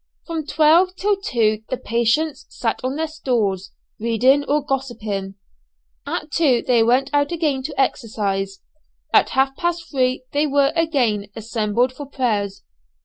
From twelve till two the patients sat on their stools reading or gossiping. At two they went out again to exercise. At half past three they were again assembled for prayers.